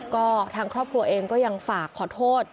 ก็ทางครอบครัวเองก็ยังฝากขอโทษ